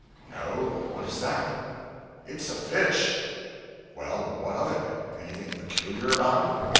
"No. What is that?" "It's a fish." "Well, what of it? Anything peculiar about it?"